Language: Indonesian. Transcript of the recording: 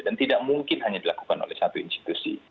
dan tidak mungkin hanya dilakukan oleh satu institusi